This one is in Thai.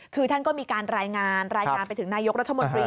คือท่านก็มีการทรายงานเท่าไหร่ไปถึงนายกรัฐมดรี